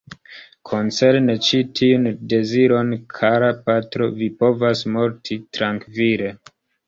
Koncerne ĉi tiun deziron, kara patro, vi povas morti trankvile.